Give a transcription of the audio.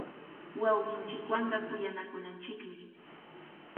Wawqinchikwanqa kuyanakunanchikmi.